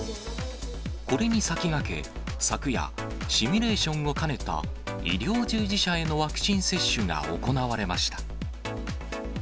これに先駆け、昨夜、シミュレーションを兼ねた医療従事者へのワクチン接種が行われました。